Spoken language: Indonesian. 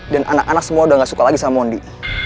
anak anak semua udah gak suka lagi sama mondi